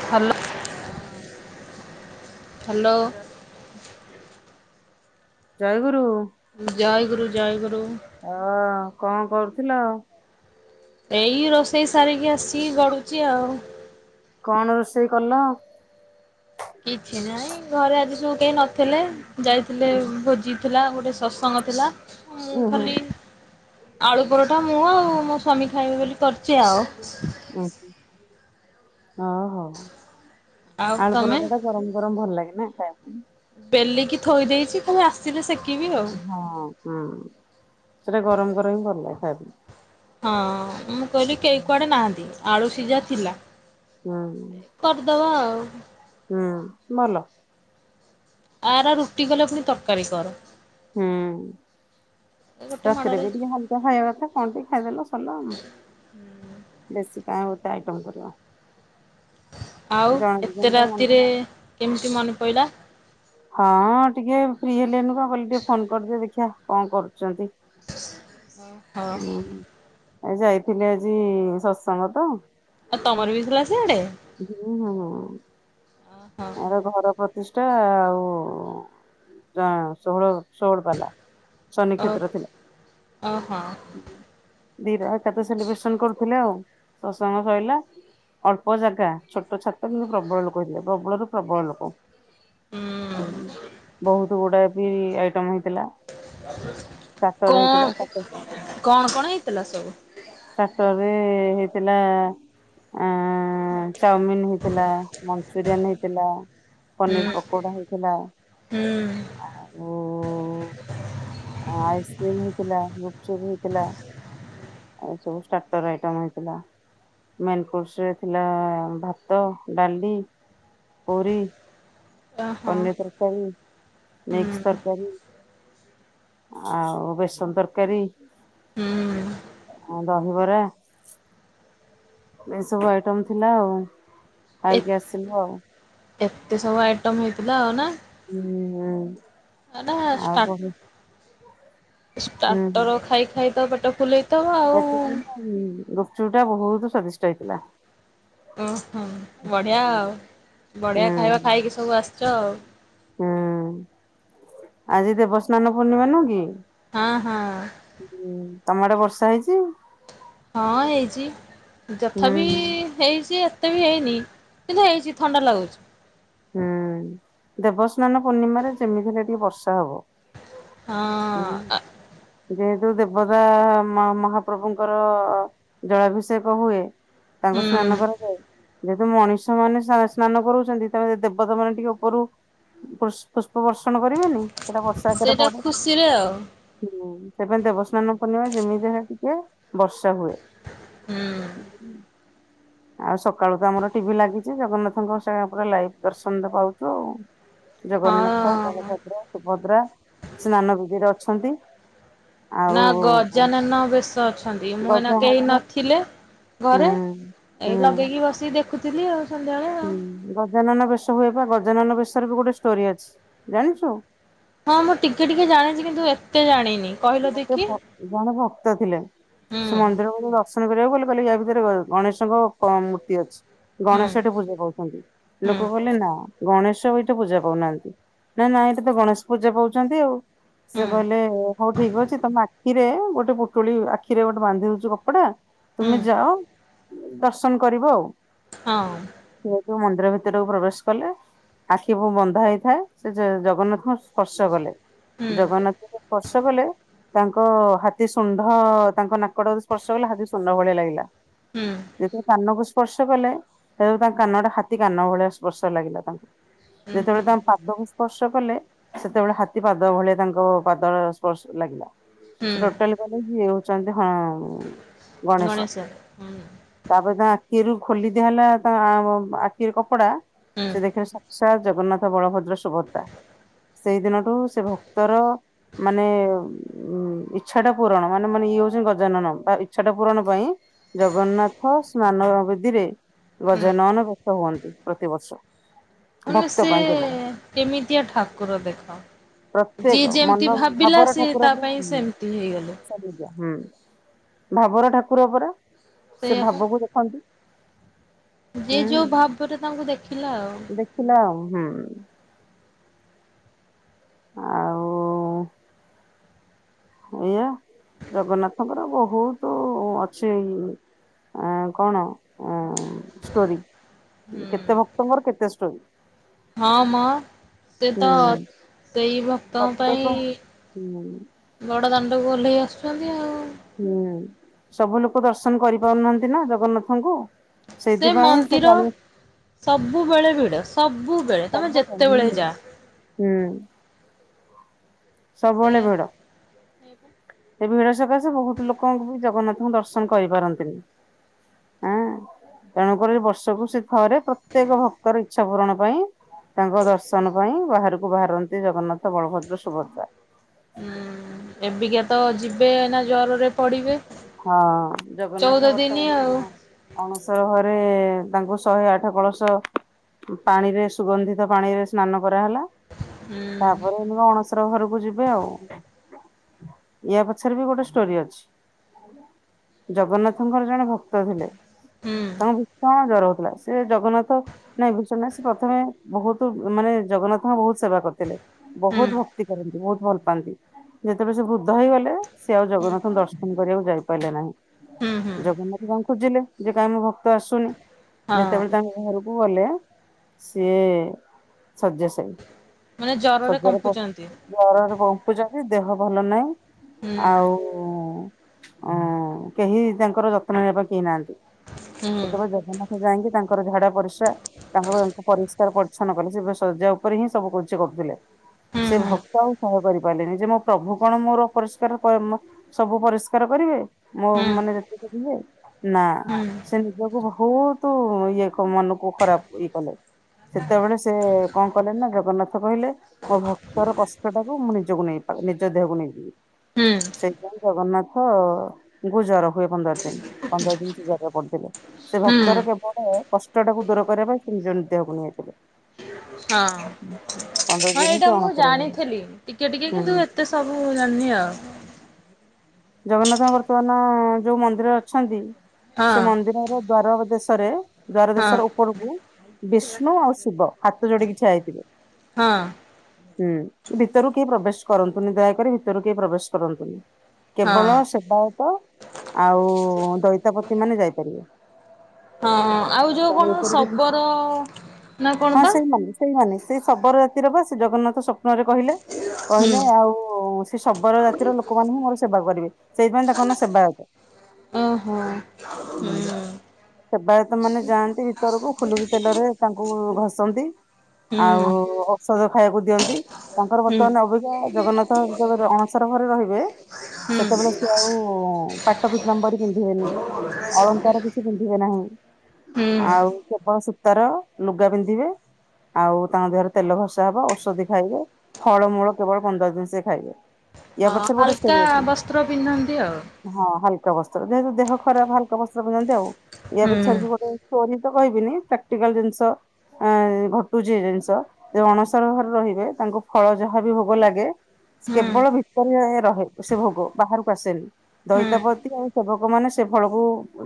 Hello! ହଁ। Hello! ଜ ଜୟ ଗୁରୁ! ଜା ଗୁରୁ ଜୟ ଗରୁ। ହଁ କଣ କରୁଥିଲ? ଏଇ ରୋଷେଇ ସାରିକି ଆସି ଗଡୁଛି ଆଉ। କଣ ରୋଷେଇ କଲ? କିଛି ନାଇଁ ଘରେ ଆଜି ସବୁ କେହି ନଥିଲେ ଯାଇଥିଲେ ଭୋଜି ଥିଲା ଗୋଟେ ସତ୍ସଙ୍ଗ ଥିଲା ଉଁ ହୁଁ। ଖାଲି ଆଳୁ ପରଟା ମୁଁ ଆଉ ମୋ ସ୍ଵାମୀ ଖାଇବି ବୋଲି କରିଛି ଆଉ। ଆ ହ ହୋ। ଆଉ ଆଳୁ ତମେ? ପରଟା ଟା ଗରମ ଗରମ ଭଲ ଲାଗେ ନା ଖାଇବା ପାଇଁ! ବେଲିକି ଥୋଇ ଦେଇଛି ତମେ ଆସିଲେ ସେ ହଁ ହଁ ସେଟା ଗରମ ଗରମ ହିଁ ଭଲ ଲାଗେ ଖାଇବା। ହଁ ମୁଁ କହିଲି କେହି କୁଆଡେ ନାହାନ୍ତି ଆଳୁ ସିଝା ଥିଲା ପାଇଁ ହୁଁ। କରିଦବା ଆଉ। ହୁଁ ଭଲ। ଆ ରୁଟି ଗଲେ ପୁଣି ତରକାରୀ କର ହୁଁ। ଏ ଗୋଟେ ରାତିରେ ବି ମାଡ଼ରେ ଟିକେ ହାଲକା ଖାଇବା କଥା କଣ ଟିକେ ଖାଇଦେଲ ସରିଲ ଆ ବେଶୀ କ ଗୋଟେ ଆଇଟମ କରିବା! ଆଉ ଏତେ ରାତିରେ କେମିତି ମନେ ପଡ଼ିଲା? ହଁ ଟିକେ ଫି ହେଲେନୁ କ କହିଲେ ଟିକେ ଫୋନ କରିଦି ଦେଖିବା କଣ କରୁଛନ୍ତି? ହ ହଁ। ଆ ଯାଇଥିଲି ଆଜି ଶତ୍ସଙ୍ଗ ତ ଆଉ ତମର ବି ସିଆଡେ ହୁଁ ହଁ। ଓହୋ ଆରେ ଘର ଜଷ୍ ଟା ଆଉ ଷୋହଳ ଷୋହଳ ବାଲା ଶନି ଓ କ୍ଷେତ୍ର ଥିଲା। ଓହୋ ଦିର ଏକା ତ ସେଲିବ୍ରେସନ କରୁଥିଲେ ଆଉ। ଶତ୍ସଙ୍ଗ ସରିଲା ଅଳ୍ପ ଜାଗା ଛୋଟ ଛାତ କିନ୍ତୁ ପ୍ରବଳ ଲୋକଦିବ ପ୍ରବଳରୁୁ ପ୍ରବଳ ଲୋକ ହୁଁ ବହୁତ ଗୁଡା ବି ଆଇଟମ ହେଇ ଥିଲା, ସାତର କଣ ହେଇଥିଲା। କଣ କଣ ହେଇଥିଲା ସବୁ? ତାପରେ ହେଇଥିଲା ଚାମିନ ହେଇଥିଲା ବିରିୟାନୀ ହେଇଥିଲା ପନିର ହୁଁ ପକୋଡା ହେଇଥିଲା ହୁଁ ଆଉ ଆଇସ୍କ୍ରିମ ହେଇଥିଲା ବ ସବୁଟରଇ ହେଇଥିଲା। ମେ କୋର୍ସରେ ଥିଲା ଭାତ ଡାଲି ପୁରୀ ଓହୋ ପନିର୍ ତରକାରୀ, ମିକସ ହୁଁ ତର୍କାରୀ ଆଉ ବେସନ ତରକାରୀ ହୁଁ ଦହିବରା ଏସବୁ ଆଇଟମ ଥିଲା ଆଉ ଏ ଖାଇକି ଆସଲୁ ଆଉ। ଏତେ ସବୁ ଆଇଟମ୍ ହେଇଥିଲା ଆଉ ନା! ହୁଁ ହୁଁ। ଆଉ ପରେ ଷ୍ଟାଟର ଖାଇ ଖାଇ ତ ପେଟ ଫୁଲେଇ [unintelligible] ଗୁପଚୁପ୍ ଟା ବହୁତ ସ୍ଵାଦିଷ୍ଟ ହେଇଥିଲା। ଓହୋ ବଢ଼ିଆ ଆଉ ହୁଁ ବଢ଼ିଆ ଖାଇବା ଖାଇକି ସବୁ ଆସିଛ ଆଉ। ହୁଁ! ଆଜି ଦେବସ୍ନାନ ପୂର୍ଣ୍ଣିମା ନୁଁ କି? ହଁ ହଁ! ତମଆଡେ ବର୍ଷା ହେଇଛି? ହଁ ହେଇଛି ଯଥା ହୁଁ ବିି ହେଇଛି ଏ ମତେ ବି ହେଇନି କିନ୍ତୁ ହେଇଛି ଥଣ୍ଡା ଲାଗୁଛି । ହୁଁ ଦେବସ୍ନାନ ପୂର୍ଣ୍ଣିମାରେ ଯେମିତି ହେଲେ ଟିକେ ବର୍ଷା ହବ। ହଁ ଉଁ ଅ। ଯେହେତୁ ଦେବତା ମହାପ୍ରଭୁଙ୍କର ଜଳାଭିଷେକ ହୁଏ ତାଙ୍କୁ ସ୍ନାନ ହୁଁ କରାଯାଏ ।ଯେହେତୁ ମଣିଷ ମାନେ ସ୍ନାନ କରୁଛନ୍ତି ସେ ଦେବତା ମାନ ଟିକେ ଉପରୁ ପୁସ୍ - ପୁଷ୍ପ ବର୍ କରିବେନି ସେଟା ବର୍ଷା ଏକରେ ସେଇଟା ପଡେ ଖୁସିରେ ଆଉ । ହୁଁ! ସେପାଇ ଦେବସ୍ନାନ ପୂର୍ଣିମା ଯେମିତି ହେଲେ ଟିକେ ବର୍ଷା ହୁଏ। ହୁଁ। ଆଉ ସକାଳୁ ତ ଆମର ଟିଭି ଲାଗିଛି ଜଗନ୍ନାଥଙ୍କ ସେ ଲାଇଭ ଦର୍ଶନ ପାଉଛୁ ଆଉ। ଜଗନ୍ନାଥ, ହଁ ବଳଭଦ୍ର, ସୁଭଦ୍ରା ସ୍ନାନ ବିଧିରେ ଅଛନ୍ତି । ନା ଗଜାନନ ବେଶ ଅଛନ୍ତି ମୁଁ ଏନା ଗଜା ହବ କେହି ନଥିଲେ ହୁଁ ଘରେ ହୁଁ ଏଇ ଲଗେଇକି ବସିକି ଦେଖୁଥିଲି ଆଉ! ସନ୍ଧ୍ୟାବେଳେ ଆଉ। ହୁଁ ଗଜାନନ ବେଶ ହୁଏ ବା ଗଜାନନ ବେଶରେ ବି ଗୋଟେ ଷ୍ଟୋରି ଅଛି, ଜାଣିଛୁ? ହଁ ମୁଁ ଟିକେ ଟିକେ ଜାଣିଛି କିନ୍ତୁ ଏତେ ଜାଣିନି କହିଲ ଗୋଟେ ଦେଖି ପ ଜଣେ ଭକ୍ତ ଥିଲେ ହୁଁ ସେ ମନ୍ଦିର ଗ ଦର୍ଶନ କ [unintelligible] ଭିତରେ ଗଣେଶ କ ମୂର୍ତ୍ତି ଅଛି, ହୁଁ। ହୁଁ ଗଣେଶଠି ପୂଜା କୁଛନ୍ତି, ହୁଁ ଲୋକ କହିଲେ ନା! ଗଣେଶ ଏଇଟା ପୂଜା ପାଉନାହାନ୍ତି ନାଇ ନା ଏଇଟା ତ ଗଣେଶ ପୂଜା ପାଉଛନ୍ତି ଆଉ ହୁଁ ସେବ ଲେ ଠିକ ଅଛି ତମ ଆଖିରେ ଗୋଟେ ପୋଟୁଳି ଆଖିରେ ଗୋଟେ ବାନ୍ଧି ଦଉଚୁ କପଡା ତୁମେ ଯାଅ ଦର୍ଶନ କରିବ ଆଉ। ହଁ! ଯେହେତୁ ମନ୍ଦିର ଭିତରକୁ ପ୍ରବେଶ କଲେ ଆଖି ପା ବନ୍ଧା ହେଇଥାଏ, ସେ ଜଗନ୍ନାଥଙ୍କୁ ସ୍ପର୍ଶ କଲେ ହୁଁ ଜଗନ୍ନାଥର୍ ତାଙ୍କ ହାତୀ ସୁଣ୍ଢ ତାଙ୍କ ନାକଟ ଯଦି ସ୍ପର୍ଶ କଲା ହାତୀ ସୁଣ୍ଢ ଭଳିଆ ଲାଗିଲା ହୁଁ ଦେଖି ସା ସ୍ପର୍ଶ କଲେ ତ ତାଙ୍କ କାନଟା ହାତୀ କାନ ଭଳିଆ ସ୍ପର୍ଶ ଲାଗିଲା ତାଙ୍କୁ ହୁଁ ଯେତେବେଳେ ତାଙ୍କ ପାଦକୁ ସ୍ପର୍ଶ କଲେ ସେତେବେଳେ ହାତୀ ପାଦ ଭଳିଆ ତାଙ୍କ ପାଦ ସ୍ପର୍ଶ ଲାଗିଲା ସେ ହୁଁ। ଟଟଆଲି [unintelligible] ହଁ ଗଣେଶ ତାପରେ ତା ଆଖିରୁ ଖୋଲି ଦିଆହଲା ଅ ତା ଆଖି କପଡା ହୁଁ। ସେ ଦେଖି ଜଗନ୍ନାଥ, ବଳଭଦ୍ର, ସୁଭଦ୍ରା ସେଇ ଦିନଠୁ ସେ ଭକ୍ତର ମାନେ ଉ ଇଚ୍ଛାଟା ପୂରଣ ମାନେ ମାନେ ଇଏ ହଉଛି, ଗଜାନନ ବା ଇଚ୍ଛାଟା ପୂରଣ ପାଇଁ ଜଗନ୍ନାଥ ସ୍ନାନ ଅବଧିରେ ହୁଁ ଗଜନନ ବ୍ୟସ୍ତ ହୁଅନ୍ତି, ପ୍ରତିବର୍ଷ। ମାନେ ଭକ୍ତ ସେ ପାଇଁ କେବଳ କେମିତିଆ ଠାକୁର ଦେଖ ପ୍ରତ୍ୟେକ ଯିଏ ଯେମତି ମନ ଭାବ ପିଲା ଭାବର ସେ ଠାକୁର ତା ପରା ପାଇଁ ସେମିତି ହେଇଗଲେ। ସେମିତିଆ ହୁଁ ଭାବର ଠାକୁର ପରା ସେ ସେଇଆ ପା ଭାବକୁ ଦେଖନ୍ତି। ଯିଏ ହୁଁ ଯୋଉ ଭାବରେ ତାଙ୍କୁ ଦେଖିଲା ଆଉ। ଦେଖିଲା ଆଉ ହୁଁ ଆଉ ଏଇଆ ଜଗନ୍ନାଥଙ୍କର ବହୁତ ଓ ଅଛି କଣ ଅ ଷ୍ଟୋରି। ହୁଁ କେତେ ଭକ୍ତଙ୍କର କେତେ ଷ୍ଟୋରୀ। ହଁ ମ। ସେ ତ ସେଇ ଭକ୍ତଙ୍କ ପ୍ରତ୍ୟେକ ହୁଁ ପାଇଁ ବଡ଼ ଦାଣ୍ଡକୁ ଓହ୍ଲେଇ ଆସୁଛନ୍ତି ଆଉ। ହୁଁ ସବୁ ଲୋକ ଦର୍ଶନ କରିପାରୁନାହାନ୍ତି ନା ଜଗନ୍ନାଥଙ୍କୁ। ସେ ସେଇଥିପାଇଁ ସେ ମନ୍ଦିର କାଳିଆ ସବୁବେଳେ ଭିଡ ସବୁବେଳେ ତମେ ସବୁବେଳେ ହୁଁ ଯେତେବେଳେ ଯା। ହୁଁ ସେ ସବୁବେଳେ ଭିଡ। ଏ ଭିଡ ସକାଶେ ବହୁତ ଲୋକଙ୍କୁ ବି ଜଗନ୍ନାଥଙ୍କୁ ଦର୍ଶନ କରିପାରନ୍ତିନି। ହଁ ତେଣୁକରି ବର୍ଷକୁ ସେ ଥରେ ପ୍ରତ୍ୟେକ ଭକ୍ତ ର ଇଚ୍ଛା ପୁରଣ ପାଇଁ ତାଙ୍କ ଦର୍ଶନ ପାଇଁ ବାହାରକୁ ବାହାରନ୍ତି ଜଗନ୍ନାଥ ବଳଭଦ୍ର ସୁ ସୁଭଦ୍ରା। ହୁଁ ଏବିକା ତ ଯିବେ ଏଇନା ଜ୍ୱରରେ ପଡିବେ। ହଁ ଜଗନ୍ନାଥ ଆଉ ବର୍ତ୍ତମାନ ଅଣସର ଘରେ ତାଙ୍କୁ ଶହେ ଆଠ କଳସ ପାଣିରେ ସୁଗନ୍ଧିତ ପାଣିରେ ସ୍ନାନ ହେଲା ହୁଁ ତାପରେ ଏନୁକା ଅଣ ଠାକୁର ଙ୍କ ଘରକୁ ଯିବେ ଆଉ। ୟା ପଛରେ ବି ଗୋଟେ ଷ୍ଟୋରି ଅଛି। ଜଗନ୍ନାଥଙ୍କର ଜଣେ ଭକ୍ତ ଥିଲେ ହୁଁ ତାଙ୍କ କଣ ଜର ସେ ଜଗନ୍ନାଥ ନାଇଁ ବିଶ୍ଵନାଥ ନା ସେ ପ୍ରଥମେ ବହୁତ ମାନେ ଜଗନ୍ନାଥଙ୍କ ବହୁତ ସେବା କରିଥିଲେ। ହୁଁ ବହୁତ ଭକ୍ତି କରନ୍ତି ବହୁତ ଭଲ ପାଆନ୍ତି ଯେତେବେଳେ ସେ ବୃଦ୍ଧ ହେଇଗଲେ ସେ ଆଉ ହୁଁ ଜଗନ୍ନାଥଙ୍କୁ ଦର୍ଶନ କରିବାକୁ ଯାଇପାରିଲେ ନାହିଁ। ହୁଁ ହୁଁ ଜଗନ୍ନାଥ ତାଙ୍କୁ ଖୋଜିଲେ ଯେ କାଇଁ ମୋ ଭକ୍ତ ତ ଆସୁନି ଯେତେବେଳେ ହଁ ତାଙ୍କ ଘରକୁ ଗଲେ। ସିଏ ଶଯ୍ୟାଶାଇ। ମାନେ ଜରରେ ଶଯ୍ୟା ରେ ପ କମ୍ପୁଛନ୍ତି ଜରରେ କମ୍ପୁଛନ୍ତି ଦେହ ଭଲ ନାହିଁ ହୁଁ ଆଉ ଅ କେହି ତାଙ୍କର ଯତ୍ନ ନେବା ପାଇଁ କେହି ନାହାନ୍ତି। ହୁଁ ହୁଁ ସେତେବେଳେ ଜଗନ୍ନାଥ ଯାଇକି ତାଙ୍କ ତାଙ୍କର ଝାଡା ପରିସ୍ରା ତାଙ୍କର ପରିଷ୍କାର ପରିଚ୍ଛନ କଲେ ସେ ଶଯ୍ୟା ଉପରେ ହିଁ ସବୁ କିଛି କରୁଥିଲେ। ହୁଁ ସେ ହୁଁ ହୁଁ ଭକ୍ତ ଆଉ ସହ୍ୟ କରିପାରିଲେନି ଯେ ମୋ ପ୍ରଭୁ କଣ ମୋର ପରିଷ୍କାର ସବୁ ପରିଷ୍କାର କରିବେ ମୋ ହୁଁ ମାନେ ଯେତିକି ନା ସେ ହୁଁ ନିଜକୁ ବହୁତୁ ଇଏ କ ମନକୁ ଖରାପ ଇଏ କଲେ। ସେତେବେଳେ ସେ କଣ କଲେ ନା ଜଗନ୍ନାଥ କହିଲେ ମୋ ଭକ୍ତର କଷ୍ଟ ଟାକୁ ମୁଁ ନିଜକୁ ନେଇପାରି ନିଜ ଦେହକୁ ନେଇଯିବି। ସେଇଥିପାଇଁ ଜଗନ୍ନାଥ ହଁ ତାଙ୍କୁ ଜର ହୁଏ ପନ୍ଦର ଦିନ। ପନ୍ଦର ଦିନ ସେ ଜରରେ ପଡିଥିଲେ। ସେ ହଁ ଭକ୍ତର କେବଳ କଷ୍ଟ ଟାକୁ ଦୂର କରିବା ପାଇଁ ସେ ନିଜ ଦେହକୁ ନେଇଯାଇଥିଲେ। ହଁ। ହଁ ଦିନ କି ଏଇଟା ମୁଁ ଅଣସର ଘରେ ଜାଣିଥିଲି ଟିକେ ଟିକେ ହୁଁ କିନ୍ତୁ ଏତେ ସବୁ ଜାଣିନି ଆଉ। ଜଗନ୍ନାଥ ବର୍ତ୍ତମାନ ଯୋଉ ମନ୍ଦିର ଅଛନ୍ତି ସେ ଆଉ ମନ୍ଦିରର ଦ୍ଵାର ଦେଶରେ ଦ୍ଵାର ହଁ ହଁ ଦେଶର ଉପରକୁ ବିଷ୍ଣୁ ଆଉ ଶିବ ହାତ ଯୋଡିକି ଠିଆ ହେଇଥିବେ। ହଁ। ହୁଁ ଭିତରୁ କେହି ପ୍ରବେଶ କରନ୍ତୁନି ଦୟାକରି ଭିତରୁ କେହି ପ୍ରବେଶ କରନ୍ତୁନି। ହଁ କେବଳ ସେବାୟତ ଆଉ ଦଇତାପତି ମାନେ ଯାଇପାରିବେ। ହଁ ଆଉ ଯୋଉ ତେଣୁ କଣ ଏପରି କିଛି ଶବର ନା କଣ ହଁ ତ ସେଇମାନେ ସେଇମାନେ ସେଇ ଶବର ଜାତିର ବା ସେ ଜଗନ୍ନାଥ ସ୍ୱପ୍ନରେ କହିଲେ। ହୁଁ କହିଲେ ଆଉ ସେ ଶବର ଜାତିର ଲୋକମାନେ ହିଁ ମୋର ସେବା କରିବେ। ସେଇଥିପାଇଁ ତାଙ୍କ ନାଁ ସେବାୟତ। ହଁ ହୁଁ। ସେବାୟତ ମାନେ ଯାଆନ୍ତି ଭିତରକୁ ଫୁଲୁକି ତେଲରେ ତାଙ୍କୁ ଘଷନ୍ତି। ଆଉ ହୁଁ ଔଷଧ ଖାଇବାକୁ ଦିଅନ୍ତି ତାଙ୍କର ହୁଁ ବର୍ତ୍ତମାନ ଅଭିଜ୍ଞା ଜଗନ୍ନାଥଙ୍କ ଅଣସର ଘରେ ରହିବେ ହୁଁ ସେତେବେଳେ ସିଏ ଆଉ ପାଟ ପ ନମ୍ବର ପିନ୍ଧିବେନି। ଅଳନ୍ତର କିଛି ପିନ୍ଧିବେ ନାହିଁ। ହୁଁ। ଆଉ କେବଳ ସୂତାର ଲୁଗା ପିନ୍ଧିବେ। ଆଉ ତାଙ୍କ ଦେହରେ ତେଲ ଭଷା ହବ ଔଷଧି ଖାଇବେ ଫଳମୂଳ କେବଳ ପନ୍ଦର ଦିନ ସେ ଖାଇବେ। ୟା ହଁ ପଛରେ ଗୋଟେ ହାଲକା ଷ୍ଟୋରି ବସ୍ତ୍ର ପିନ୍ଧନ୍ତି ଆଉ। ହ ବସ୍ତ୍ର ଯେହେତୁ ଦେହ ଖରାପ ହାଲକା ବସ୍ତ୍ର ପିନ୍ଧନ୍ତି ଆଉ ୟା ହୁଁ ପଛରେ ବି ଗୋଟେ ଷ୍ଟୋରି ତ କହିବିନି ପ୍ରାକ୍ଟିକାଲ ଜିନିଷ। ଅ ଘଟୁଛି ଜିନିଷ ଯ ଅଣସର ଘରେ ରହିବେ ତାଙ୍କୁ ଫଳ ଯାହା ବି ଭୋଗ ଲାଗେ ହୁଁ କେବଳ ଭିତରେ ରହେ ସେ ଭୋଗ। ବାହାରକୁ ଆସେନି ହୁଁ ଦଇତାପତି ଆଉ ସେବକ ମାନେ ସେ ଫଳକୁ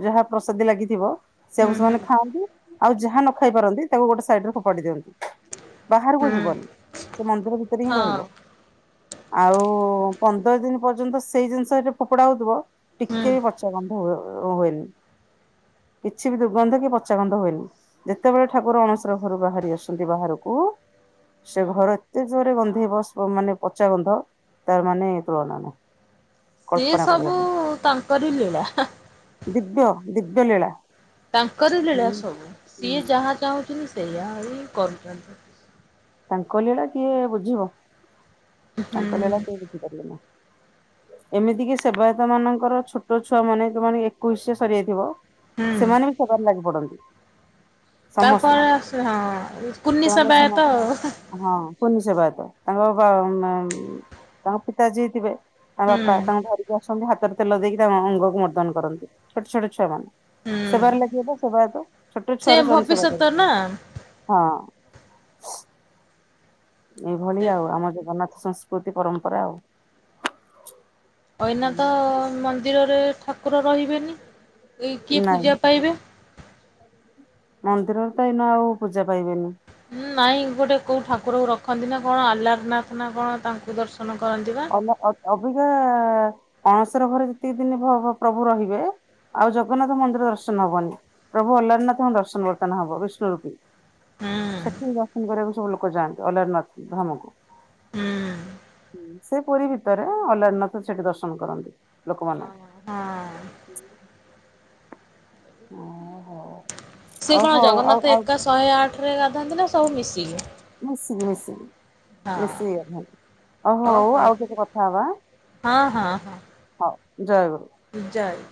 ଯାହା ପ୍ରସାଦୀ ଲାଗିଥିବ ସେଇଆକୁ ହୁଁ ସେମାନେ ଖାଆନ୍ତି ଆଉ ଯାହା ନ ଖାଇ ପାରନ୍ତି ତାକୁ ଗୋଟେ ସାଇଡରେ ଫୋପାଡି ଦିଅନ୍ତି। ବାହାରକୁ ହୁଁ। ଯିବନି ସେ ମନ୍ଦିର ଭିତରେ ହିଁ ହଁ ରହିବ। ଆଉ ପନ୍ଦର ଦିନି ପର୍ଯ୍ୟନ୍ତ ସେଇ ଜିନିଷ ଫୋପଡା ହଉଥିବ ହୁଁ। ଟିକେ ବି ବଛା ଗନ୍ଧ ହୁଁ ହୁଏନି। କିଛି ବି ଦୁର୍ଗନ୍ଧ କି ପଚା ଗନ୍ଧ ହୁଏନି ଯେତେବେଳେ ଠାକୁର ଅଣସର ଘରୁ ବାହାରି ଆସନ୍ତି ବାହାରକୁ ସେ ଘର ଏତେ ଜୋରେ ଗନ୍ଧେଇ ବସ ମାନେ ପଚା ଗନ୍ଧ ତର୍ମାନ ତୁଳନା ନାହିଁ। ସିଏ କଳ୍ପନା ସବୁ କରିହବନି ତାଙ୍କରି ଲୀଳା। ଦିବ୍ୟ ଦିବ୍ୟ ଲୀଳା। ତାଙ୍କର ଲୀଳା ସବୁ ସିଏ ଯାହା ଚାହୁଁଛନ୍ତି ସେୟା ହି କରୁଚନ୍ତି। ତାଙ୍କ ଲିଳା କିଏ ବୁଝିବ ତାଙ୍କ ଲିଳା କେହି ବୁଝିପାରିବେ ନାହିଁ। ଏମିତିକି ସେବାୟତ ମାନଙ୍କର ଛୋଟ ଛୁଆ ମାନେ ଯୋଉମାନେ ଏକୋଇଶିଆ ସରିଯାଇଥିବ ହୁଁ ସେମାନେ ବି ସେବାରେ ଲାଗି ପଡନ୍ତି। ତା ସମସ୍ତେ କଣ ଆସ ହଁ କୁନି ସେମାନେ ସେମାନେ ସେବାୟତ ଆ ହଁ କୁନି ସେବାୟତ ତାଙ୍କ ତାଙ୍କ ପିତା ଯିଏ ଥିବେ ତା ବାପା ହୁଁ ତାଙ୍କ ଧରିକି ଆସନ୍ତି ହାତରେ ତେଲ ଦେଇକି ତାଙ୍କ ଅଙ୍ଗକୁ ମର୍ଦନ କରନ୍ତି ଛୋଟ ଛୋଟ ଛୁଆ ମାନେ। ହୁଁ ସେବାରେ ଲାଗିବ ସେବା ତ ଛୋଟ ସେ ଛୁଆର ସାନ ସେବା କର ଭବିଷ୍ୟତ ନା ହଁ। ଏଇଭଳି ସେ ଆଉ ଆମ ଜଗନ୍ନାଥ ସଂସ୍କୃତି ପରମ୍ପରା ଆଉ। ଅଇନା ତ ମନ୍ଦିରରେ ଠାକୁର ରହିବେନି। ଏ କିଏ ନାଇଁ ପୂଜା ପାଇବେ। ମନ୍ଦିରରେ ତ ଏଇନା ଆଉ ପୂଜା ପାଇବେନି। ହଁ ନାଇଁ ଗୋଟେ କୋଉ ଠାକୁରକୁ ରଖନ୍ତି ନା କଣ ଆହ୍ଲାର ନାଥ ନା କଣ ତାଙ୍କୁ ଦର୍ଶ ଅବିକା ଅଣସର ଘରେ ଯେତିକି ଦିନ ପ୍ରଭୁ ରହିବେ ଆଉ ଜଗନ୍ନାଥ ମନ୍ଦିର ଦର୍ଶନ ହବନି ପ୍ରଭୁ ଅଲାରୀନାଥ ଦର୍ଶନ ବର୍ତ୍ତନ ହବ ବିଷ୍ଣୁ ରୁ କି ହୁଁ ସେଠି ଦର୍ଶନ କରିବାକୁ ସବୁ ଲୋକ ଯାଆନ୍ତି ଅଲାରନାଥ ଧାମକୁ ହୁଁ ହୁଁ। ସେ ପୁରୀ ଭିତରେ ଅଲାରନାଥ ସେଠି ଦର୍ଶନ କରନ୍ତି ଲୋକମାନେ। ହଁ। ହୁଁ। ହଁ ହଉ। ସେ କଣ ଆଉ ଜଗନ୍ନାଥ ଆଉ ଏକା ଶହେ ଆଠ ରେ ଗାଧାନ୍ତି ନା ସବୁ ମିଶିକି? ମିଶିକି ମିଶିକି ମିଶିକି ହଁ ଗାଧାନ୍ତି। ଓ ହୋଉ ଓହୋ ଆଉ ଟିକେ କଥା ହବା ହଁ ହଁ ହଁ ହଉ ଜୟଗୁରୁ। ଜୟ ଗୁରୁ।